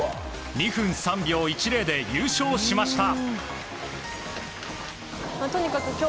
２分３秒１０で優勝しました。